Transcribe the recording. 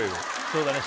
そうだね